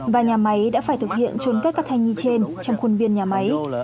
và nhà máy đã phải thực hiện trốn cất các thai nhi trên trong khuôn viên nhà máy